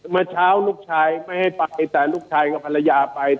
เมื่อเช้าลูกชายไม่ให้ไปแต่ลูกชายกับภรรยาไป